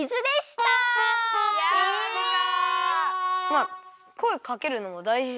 まあこえかけるのも大事だから。